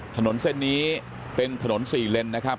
ถนนเส้นนี้เป็นถนน๔เลนนะครับ